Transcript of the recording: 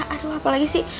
aduh apa lagi sih